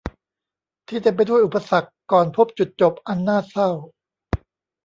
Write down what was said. ที่เต็มไปด้วยอุปสรรคก่อนพบจุดจบอันน่าเศร้า